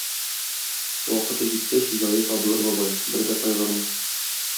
Вакыты җиткәч, җае табылыр, бабай, бер дә кайгырма.